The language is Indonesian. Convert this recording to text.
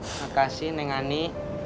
makasih neng ani